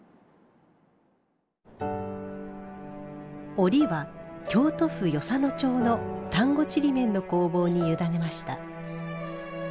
織りは京都府与謝野町の丹後ちりめんの工房に委ねました。